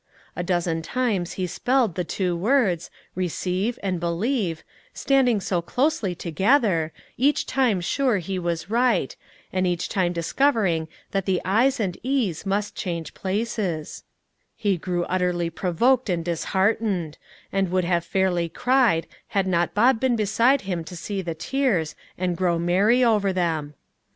A dozen times he spelled the two words, receive and believe, standing so closely together, each time sure he was right, and each time discovering that the i's and e's must change places; he grew utterly provoked and disheartened, and would have fairly cried, had not Bob been beside him to see the tears, and grow merry over them.